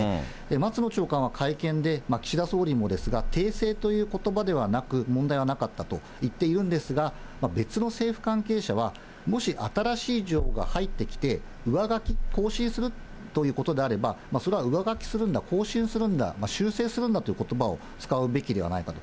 松野長官は会見で、岸田総理もですが、訂正ということばではなく、問題はなかったと言っているんですが、別の政府関係者は、もし新しい情報が入ってきて、上書き更新するということであれば、それは上書きするんだ、更新するんだ、修正するんだということばを使うべきではないかと。